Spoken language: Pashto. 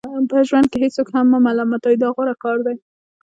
په ژوند کې هیڅوک هم مه ملامتوئ دا غوره کار دی.